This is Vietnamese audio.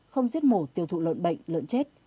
không giết mổ tiêu thụ lợn bệnh lợn chết